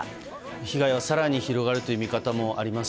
被害は更に広がるという見方もあります